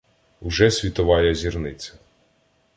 Уже світовая зірниця